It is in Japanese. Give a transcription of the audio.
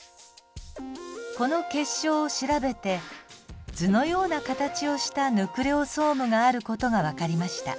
この結晶を調べて図のような形をしたヌクレオソームがある事が分かりました。